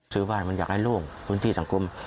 ซื้อบ้านมันอยากให้โล่งพื้นที่สังคม